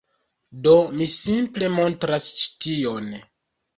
Do, mi simple montras ĉi tion